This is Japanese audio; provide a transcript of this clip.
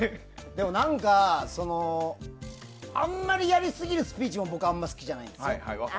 でも、何かあんまりやりすぎるスピーチも僕はあまり好きじゃないんですよね。